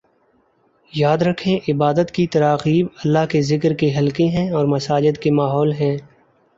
یاد رکھیں عبادت کی تراغیب اللہ کے ذکر کے حلقے ہیں اور مساجد کے ماحول ہیں